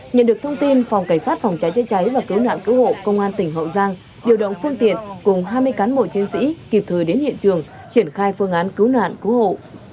nhận được thông tin phòng cảnh sát phòng cháy chữa cháy và cứu nạn cứu hộ công an tỉnh hậu giang điều động phương tiện cùng hai mươi cán bộ chiến sĩ kịp thời đến hiện trường triển khai phương án cứu nạn cứu hộ